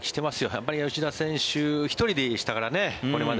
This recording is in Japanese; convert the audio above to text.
やっぱり吉田選手１人でしたからね、これまで。